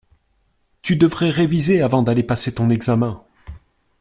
Tu devrais réviser avant d'aller passer ton examen!